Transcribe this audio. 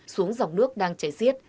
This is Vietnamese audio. xuống dòng nước đang chảy xiết